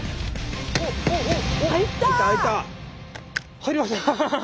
入りました！